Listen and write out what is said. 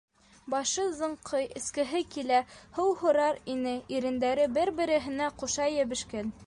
Башы зыңҡый, эскеһе килә, һыу һорар ине - ирендәре бер-береһенә ҡуша йәбешкән.